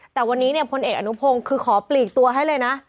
แต่วันนี้พนอาญุโภงคือขอปลีกตัวให้เลยนะ